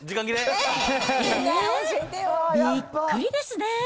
えー！びっくりですね。